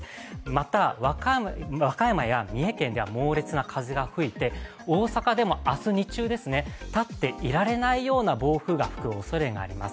また和歌山県や三重県では猛烈な風が吹いて、大阪でも明日日中、立っていられないような暴風が吹くおそれがあります。